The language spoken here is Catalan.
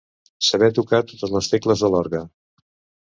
Saber tocar totes les tecles de l'orgue.